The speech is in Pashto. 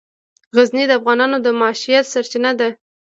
غزني د افغانانو د معیشت سرچینه ده.